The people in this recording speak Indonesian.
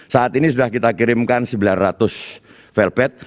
saat ini sudah kita kirimkan sembilan ratus fail bed